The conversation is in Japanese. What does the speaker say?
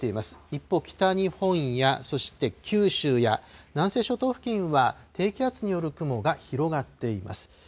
一方、北日本や、そして九州や南西諸島付近は、低気圧による雲が広がっています。